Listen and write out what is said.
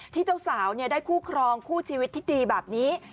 เจ้าสาวได้คู่ครองคู่ชีวิตที่ดีแบบนี้